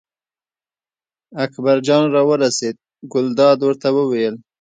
اکبرجان راورسېد، ګلداد ورته وویل.